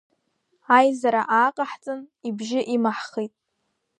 Аизара ааҟаҳҵан, ибжьы имаҳхит.